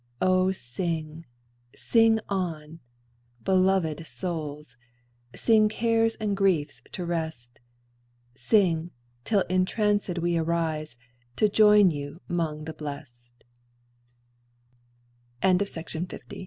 O sing, sing on, belovèd souls! Sing cares and griefs to rest; Sing, till entrancèd we arise To join you 'mong the blest THE OTHER WORLD It lies around